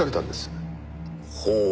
ほう。